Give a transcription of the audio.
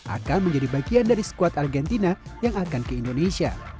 akan menjadi bagian dari squad argentina yang akan ke indonesia